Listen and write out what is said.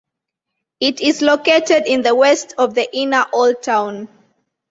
It is located in the west of the inner old town.